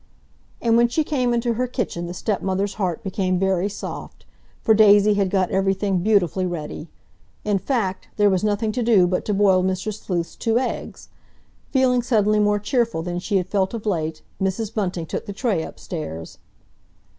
And when she came into her kitchen the stepmother's heart became very soft, for Daisy had got everything beautifully ready. In fact, there was nothing to do but to boil Mr. Sleuth's two eggs. Feeling suddenly more cheerful than she had felt of late, Mrs. Bunting took the tray upstairs.